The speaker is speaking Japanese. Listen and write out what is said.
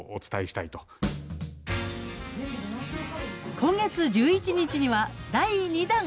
今月１１日には第２弾。